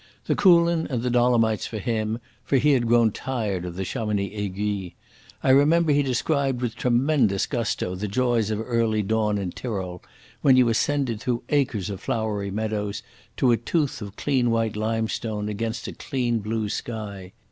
The Coolin and the Dolomites for him, for he had grown tired of the Chamonix aiguilles. I remember he described with tremendous gusto the joys of early dawn in Tyrol, when you ascended through acres of flowery meadows to a tooth of clean white limestone against a clean blue sky.